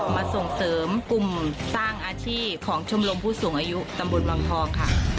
ส่งเสริมกลุ่มสร้างอาชีพของชมรมผู้สูงอายุตำบลวังทองค่ะ